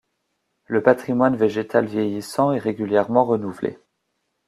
Le patrimoine végétal vieillissant est régulièrement renouvelé.